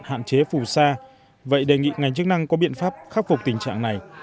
hạn chế phù sa vậy đề nghị ngành chức năng có biện pháp khắc phục tình trạng này